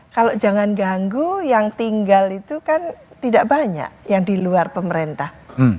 kalau jangan ganggu yang tinggal itu kan tidak banyak yang di luar pemerintah